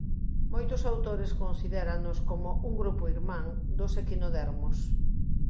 Moitos autores considéranos como un "grupo irmán" dos equinodermos.